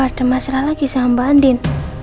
ada masalah lagi sama mbak andin